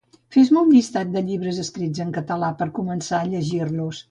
Fes-me un llistat de llibres escrits en català per començar a llegir-los